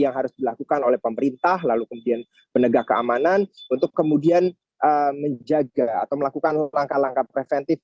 yang harus dilakukan oleh pemerintah lalu kemudian penegak keamanan untuk kemudian menjaga atau melakukan langkah langkah preventif